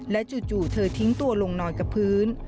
จู่เธอทิ้งตัวลงนอนกับพื้น